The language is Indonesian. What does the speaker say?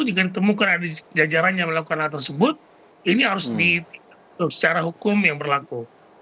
jika ditemukan ada jajarannya melakukan hal tersebut ini harus secara hukum yang berlaku